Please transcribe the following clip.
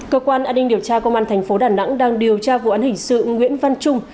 cơ quan an ninh điều tra công an thành phố đà nẵng đang điều tra vụ án hình sự nguyễn văn trung